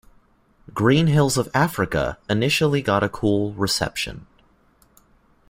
"Green Hills of Africa" initially got a cool reception.